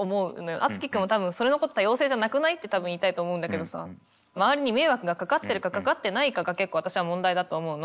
あつき君も多分それのこと多様性じゃなくない？って多分言いたいと思うんだけどさ周りに迷惑がかかってるかかかってないかが結構私は問題だと思うの。